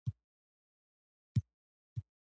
دې ځواکونو د غلامي نظام په پرتله تکامل وکړ.